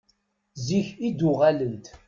Zik i d-uɣalent.